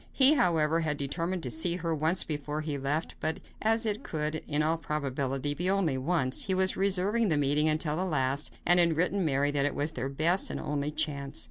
He, however, had determined to see her once more before he left, but as it could, in all probability, be only once, he was reserving the meeting until the last, and had written Mary that it was their best and only chance.